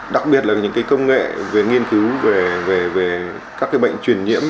đặc biệt là những cái công nghệ về nghiên cứu về các cái bệnh truyền nhiễm